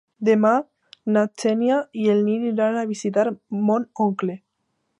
Demà na Xènia i en Nil iran a visitar mon oncle.